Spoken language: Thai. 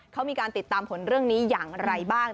เขามีการติดตามผลเรื่องนี้อย่างไรบ้าง